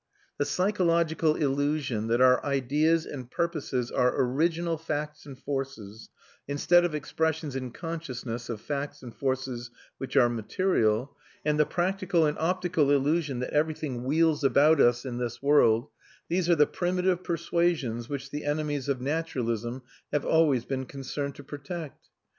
The psychological illusion that our ideas and purposes are original facts and forces (instead of expressions in consciousness of facts and forces which are material) and the practical and optical illusion that everything wheels about us in this world these are the primitive persuasions which the enemies of naturalism have always been concerned to protect.